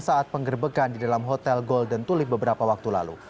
saat penggerbekan di dalam hotel golden tulip beberapa waktu lalu